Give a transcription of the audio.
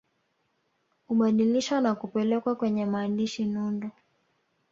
Hubadilishwa na kupelekwa kwenye maandishi nundu